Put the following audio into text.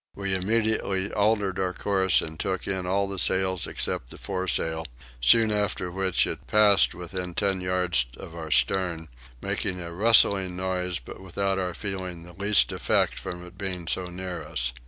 We immediately altered our course and took in all the sails except the foresail, soon after which it passed within ten yards of our stern, making a rustling noise but without our feeling the least effect from its being so near us.